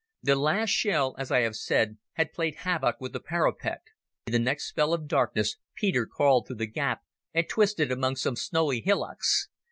The last shell, as I have said, had played havoc with the parapet. In the next spell of darkness Peter crawled through the gap and twisted among some snowy hillocks.